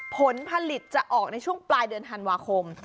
ผลผลิตจะออกในช่วงปลายเดือนธันวาคม